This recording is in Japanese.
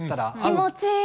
気持ちいい。